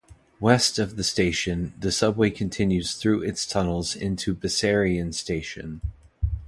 West of the station, the subway continues through its tunnels into Bessarion station.